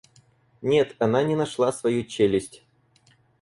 Нет, она не нашла свою челюсть.